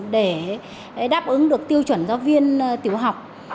để đáp ứng được tiêu chuẩn giáo viên tiểu học